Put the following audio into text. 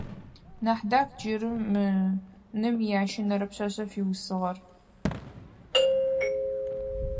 Нахьдах - джары ным иящэнэрэ пшъашъэ фиусыгъэр.